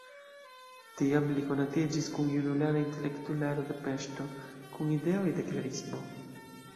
Tiam li konatiĝis kun junulara intelektularo de Peŝto, kun ideoj de la klerismo.